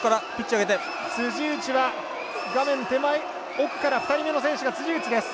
辻内は画面手前奥から２人目の選手が辻内です。